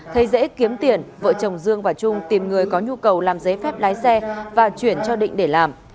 thấy dễ kiếm tiền vợ chồng dương và trung tìm người có nhu cầu làm giấy phép lái xe và chuyển cho định để làm